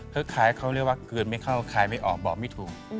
คล้ายเขาเรียกว่ากลืนไม่เข้าขายไม่ออกบอกไม่ถูก